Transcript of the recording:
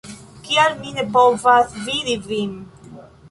Kial mi ne povas vidi vin?